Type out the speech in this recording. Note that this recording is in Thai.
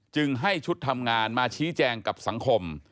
จึงให้ชุดทำงานมาชี้แจงกับสังคม